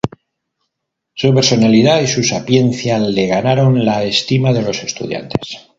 Su personalidad y su sapiencia le ganaron la estima de los estudiantes.